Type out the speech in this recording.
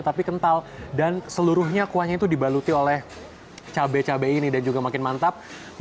tapi kental dan seluruhnya kuahnya itu dibaluti oleh cabai cabai ini dan juga makin mantap